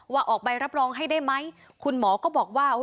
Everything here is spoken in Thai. ออกใบรับรองให้ได้ไหมคุณหมอก็บอกว่า